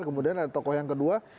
kemudian ada tokoh yang kedua